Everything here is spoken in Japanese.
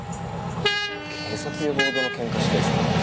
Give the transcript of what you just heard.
警察呼ぶほどの喧嘩してんだぞ。